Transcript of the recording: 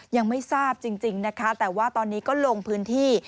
ยังไม่ทราบจริงนะคะแต่ว่าตอนนี้ก็ลงพื้นที่